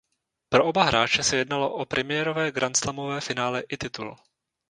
Pro oba hráče se jednalo o premiérové grandslamové finále i titul.